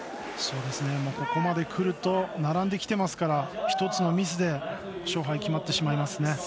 ここまでくると並んできてますから１つのミスで勝敗決まってしまいますね。